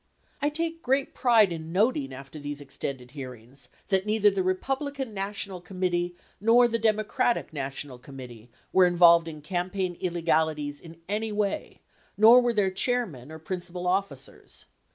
I take great pride in noting after these extended hearings that neither the Republican National Committee nor the Democratic National Committee were involved in campaign illegalities in any way, nor were their chairmen or principal officers.